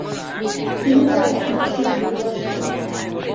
তিনি তার একমাত্র ব্লু লাভ করেন।